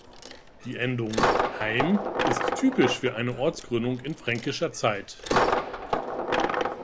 Die Endung "-heim" ist typisch für eine Ortsgründung in fränkischer Zeit.